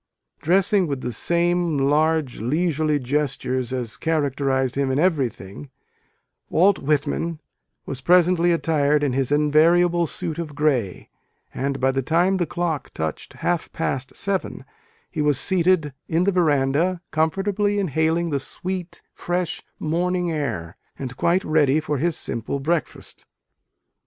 Dressing with the same large, leisurely gestures as characterized him in everything, Walt Whitman was presently attired in his invariable suit of grey : and by the time the clock touched half past seven, he was seated in the verandah, comfortably inhaling the sweet, fresh morning air, and quite ready for his simple breakfast.